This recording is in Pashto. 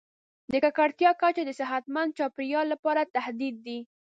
د ککړتیا کچه د صحتمند چاپیریال لپاره تهدید دی.